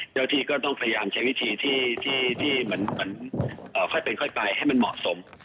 เจ้าที่ก็ต้องพยายามใช้วิธีที่เหมือนค่อยเป็นค่อยไปให้มันเหมาะสม